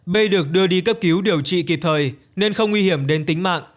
b được đưa đi cấp cứu điều trị kịp thời nên không nguy hiểm đến tính mạng